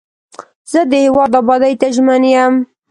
زه د هیواد ابادۍ ته ژمن یم.